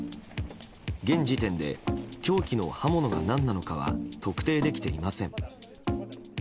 現時点で凶器の刃物が何なのかは特定できていません。